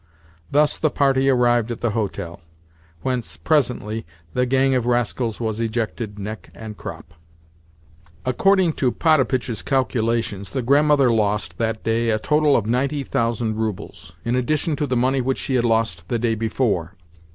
Thus the party arrived at the hotel; whence, presently, the gang of rascals was ejected neck and crop. According to Potapitch's calculations, the Grandmother lost, that day, a total of ninety thousand roubles, in addition to the money which she had lost the day before.